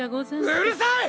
うるさい！